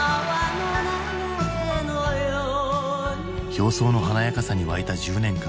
表層の華やかさに沸いた１０年間。